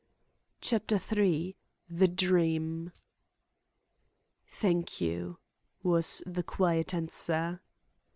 CHAPTER III THE DREAM "Thank you," was the quiet answer.